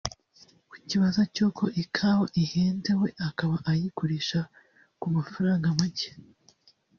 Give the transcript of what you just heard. ku kibazo cy’uko Ikawa ihenze we akaba ayigurisha ku mafaranga make